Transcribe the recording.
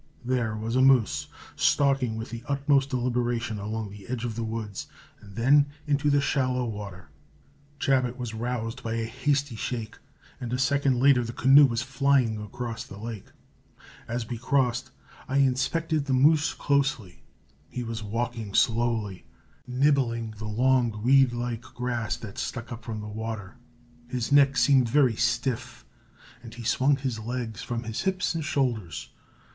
There was a moose, stalking with the utmost deliberation along the edge of the woods and then into the shallow water. Chabot was roused by a hasty shake, and a second later the canoe was flying across the lake. As we crossed, I inspected the moose closely. He was walking slowly, nibbling the long reed like grass that stuck up from the water. His neck seemed very stiff, and he swung his legs from his hips and shoulders.